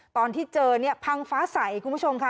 ตอนที่เจอเนี่ยพังฟ้าใสคุณผู้ชมค่ะ